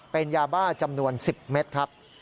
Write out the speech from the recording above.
เป็นยาบ้าจำนวน๑๐เมตรครับ